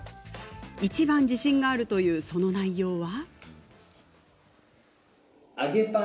いちばん自信があるというその内容は。